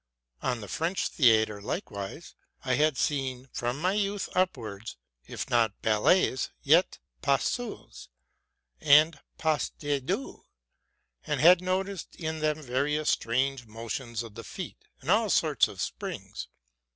On the French theatre, likewise, I had seen from my youth up wards, if not ballets, yet pas seuls and pas de deux, and had noticed in them various strange motions of the feet, and all sorts of springs.